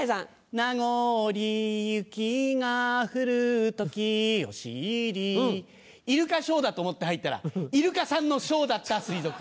なごり雪が降る時を知りイルカショーだと思って入ったらイルカさんのショーだった水族館。